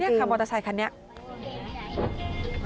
นี่ค่ะมอเตอร์ไซคันนี้